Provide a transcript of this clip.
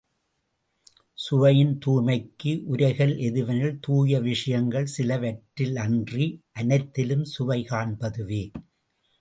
சுவையின் தூய்மைக்கு உரைகல் எதுவெனில் தூய விஷயங்கள் சிலவற்றிலன்றி அனைத்திலும் சுவை காண்பதுவே.